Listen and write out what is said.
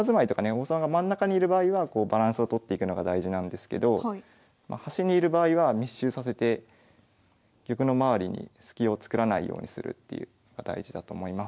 王様が真ん中にいる場合はバランスを取っていくのが大事なんですけど端にいる場合は密集させて玉の周りにスキを作らないようにするっていうのが大事だと思います。